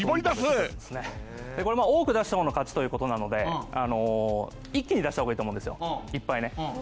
これ多く出した方の勝ちということなので一気に出した方がいいと思うんですよいっぱいね。